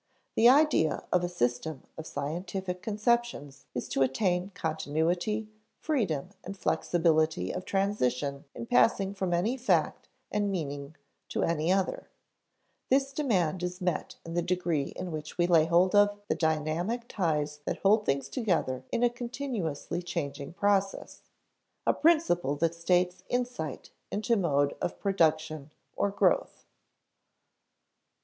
The ideal of a system of scientific conceptions is to attain continuity, freedom, and flexibility of transition in passing from any fact and meaning to any other; this demand is met in the degree in which we lay hold of the dynamic ties that hold things together in a continuously changing process a principle that states insight into mode of production or growth.